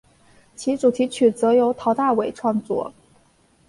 其主题曲则由陶大伟创作。